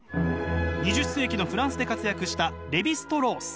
２０世紀のフランスで活躍したレヴィ＝ストロース。